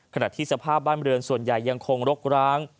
ขณะที่สภาพบ้านเรือนส่วนใหญ่ยังคงรกร้าง